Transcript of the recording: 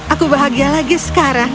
aku bahagia lagi sekarang